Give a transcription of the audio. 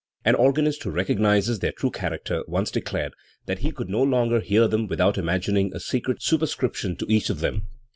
An organist who recognised their true character once declared that he could no longer hear them without imagining a secret superscription to each of them.